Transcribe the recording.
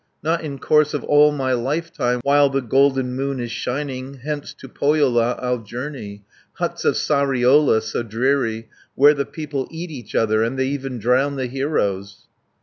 Not in course of all my lifetime, While the golden moon is shining, Hence to Pohjola I'll journey, Huts of Sariola so dreary, 110 Where the people eat each other, And they even drown the heroes."